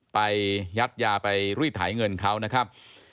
ยัดยาไปรีดถ่ายเงินเขานะครับ